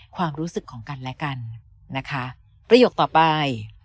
ความรู้สึกของกันและกันนะคะประโยคต่อไป